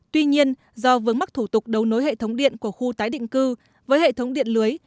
tuy nhiên do vướng mắc thủ tục đấu nối hệ thống điện của khu tái định cư với hệ thống điện lưới